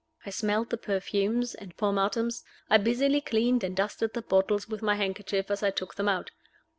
I smelled the perfumes and pomatums; I busily cleaned and dusted the bottles with my handkerchief as I took them out.